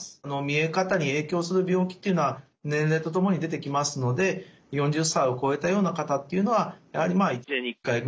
見え方に影響する病気っていうのは年齢とともに出てきますので４０歳を超えたような方っていうのはやはり１年に一回ぐらいですね